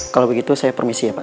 kalau begitu saya permisi ya pak